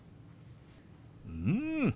うん。